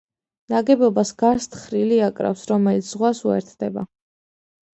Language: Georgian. ნაგებობას გარს თხრილი აკრავს, რომელიც ზღვას უერთდება.